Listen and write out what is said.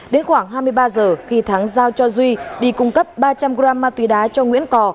đến khoảng hai mươi ba giờ khi thắng giao cho duy đi cung cấp ba trăm linh g ma túy đá cho nguyễn cò